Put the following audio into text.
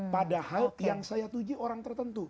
padahal yang saya tujui orang tertentu